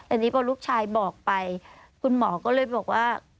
อันนี้พอลูกชายบอกไปคุณหมอก็เลยบอกว่า